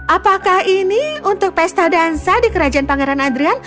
apakah ini untuk pesta dansa di kerajaan pangeran adrian